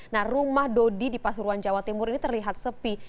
nah rumah dodi di pasuruan jawa timur ini terlihat sepi